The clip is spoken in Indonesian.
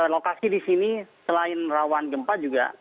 lokasi disini selain rawan gempa juga